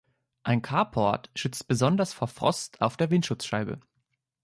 Ein Carport schützt besonders vor Frost auf der Windschutzscheibe.